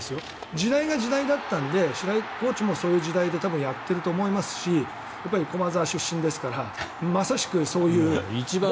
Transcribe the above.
時代が時代だったので白井コーチもそういう時代で多分やっていると思いますし駒澤出身ですから。